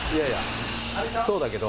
そうだけど。